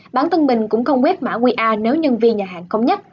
bản thân mình cũng không quét mã qr nếu nhân viên nhà hàng không nhất